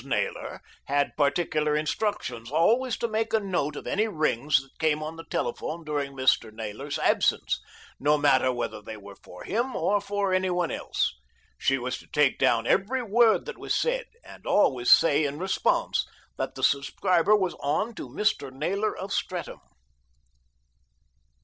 Naylor had particular instructions always to make a note of any rings that came on the telephone during Mr. Naylor's absence, no matter whether they were for him or for anyone else. She was to take down every word that was said, and always say in response that the subscriber was on to Mr. Naylor of Streatham.